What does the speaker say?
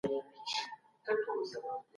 د اولادونو توپير مه کوئ